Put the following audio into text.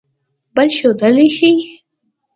بل ښودلئ شی